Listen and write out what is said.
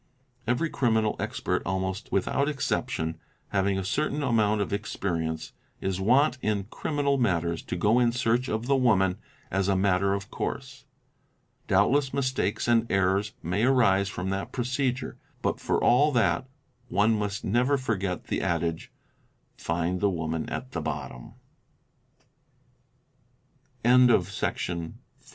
Every criminal expert almost without exception, having a certain amount of experience, is wont in criminal matters to go in search of the woman as a matter of course. Doubtless inistakes and errors may arise from that procedure, but for all that one must never forget the adage, '' Find the woman at the bottom." Section iv.—P